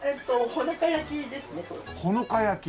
ほの香焼き。